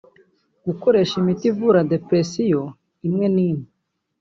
Gukoresha imiti ivura depression( imwe n’ imwe )